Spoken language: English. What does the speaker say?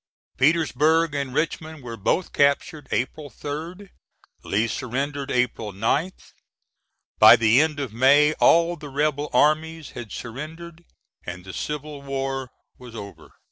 Petersburg and Richmond were both captured April 3d. Lee surrendered April 9th. By the end of May all the rebel armies had surrendered and the Civil War was over.